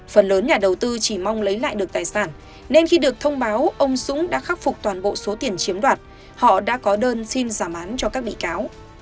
phần lớn nhà đầu tư chỉ mong lấy lại được tài sản nên khi được thông báo ông dũng đã khắc phục toàn bộ số tiền chiếm đoạt họ đã có đơn xin giảm án cho các bị cáo